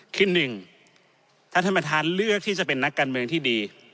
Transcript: คือหนึ่งถ้าท่านประธานเลือกที่จะเป็นนักการเมืองที่ดี